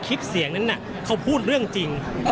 คลิปเสียงนั้นเขาพูดเรื่องจริง